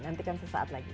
nantikan sesaat lagi